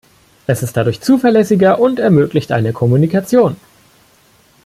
Es ist dadurch zuverlässiger und ermöglicht eine Kommunikation.